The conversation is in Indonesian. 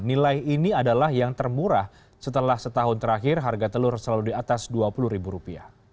nilai ini adalah yang termurah setelah setahun terakhir harga telur selalu di atas rp dua puluh